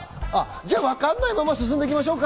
じゃあ、わかんないまま進んでいきましょうか。